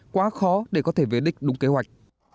quá khó để có thể về đích đúng kế hoạch